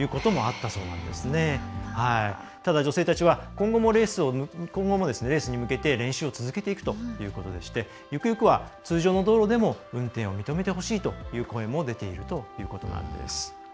ただ、女性たちは今後もレースに向けて練習を続けていくということでしてゆくゆくは通常の道路でも運転を認めてほしいという声も出ているということなんです。